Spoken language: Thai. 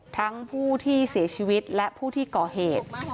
ทั้งผู้ที่เสียชีวิตและผู้ที่ก่อเหตุ